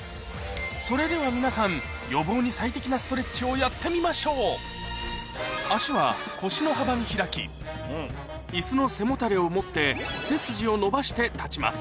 それでは皆さん予防に最適なストレッチをやってみましょうに開き椅子の背もたれを持って背筋を伸ばして立ちます